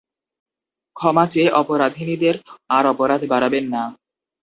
ক্ষমা চেয়ে অপরাধিনীদের আর অপরাধ বাড়াবেন না।